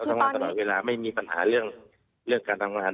ทำงานตลอดเวลาไม่มีปัญหาเรื่องการทำงาน